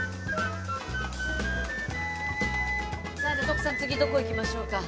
徳さん次どこ行きましょうか？